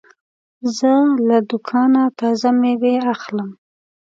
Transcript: زه له دوکانه تازه مېوې اخلم.